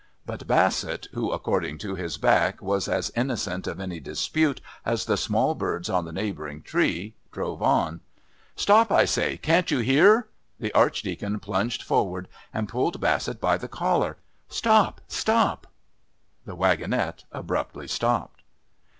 But Bassett who, according to his back, was as innocent of any dispute as the small birds on the neighbouring tree, drove on. "Stop, I say. Can't you hear?" The Archdeacon plunged forward and pulled Bassett by the collar. "Stop! Stop!" The wagonette abruptly stopped.